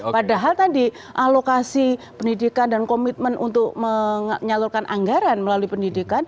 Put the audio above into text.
padahal tadi alokasi pendidikan dan komitmen untuk menyalurkan anggaran melalui pendidikan